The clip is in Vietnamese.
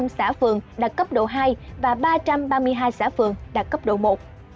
hai trăm bốn mươi năm xã phường đạt cấp độ hai và ba trăm ba mươi năm xã phường đạt cấp độ ba